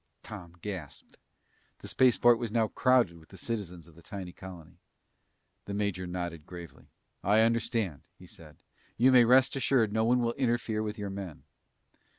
Tom gasped. The spaceport was now crowded with the citizens of the tiny colony. The major nodded gravely. "I understand," he said. "You may rest assured no one will interfere with your men!"